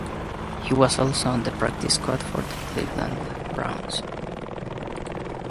He was also on the practice squad for the Cleveland Browns.